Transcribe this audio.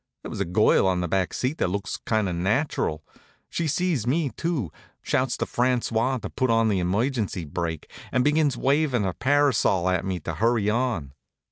There was a girl on the back seat that looks kind of natural. She sees me, too, shouts to François to put on the emergency brake, and begins wavin' her parasol at me to hurry on.